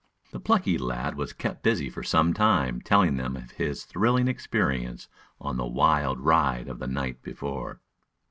The plucky lad was kept busy for some time telling them of his thrilling experience on the wild ride of the night before.